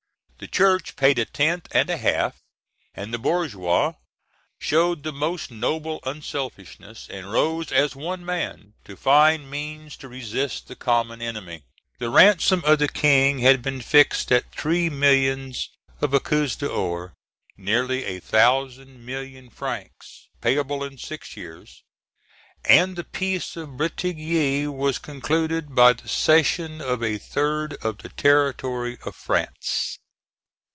The church paid a tenth and a half, and the bourgeois showed the most noble unselfishness, and rose as one man to find means to resist the common enemy. The ransom of the King had been fixed at three millions of écus d'or, nearly a thousand million francs, payable in six years, and the peace of Bretigny was concluded by the cession of a third of the territory of France.